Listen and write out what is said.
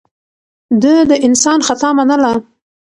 ده د انسان خطا منله.